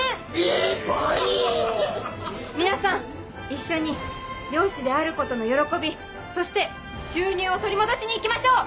え倍⁉皆さん一緒に漁師であることの喜びそして収入を取り戻しに行きましょう！